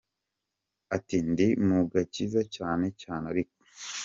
Ati “Ndi mu gakiza cyane, cyane ariko.